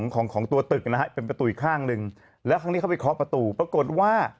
ของของตัวตึกนะฮะเป็นประตูอีกข้างหนึ่งแล้วครั้งนี้เข้าไปเคาะประตูปรากฏว่า